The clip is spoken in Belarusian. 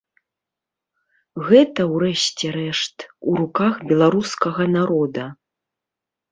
Гэта, у рэшце рэшт, у руках беларускага народа.